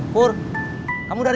buat kamu tuh